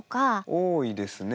多いですね。